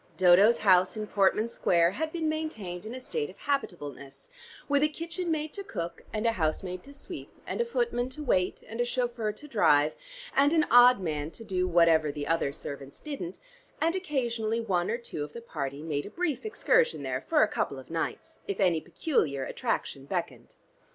Dodo's house in Portman Square had been maintained in a state of habitableness with a kitchen maid to cook, and a housemaid to sweep, and a footman to wait, and a chauffeur to drive, and an odd man to do whatever the other servants didn't, and occasionally one or two of the party made a brief excursion there for a couple of nights, if any peculiar attraction beckoned.